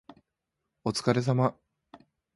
お疲れ様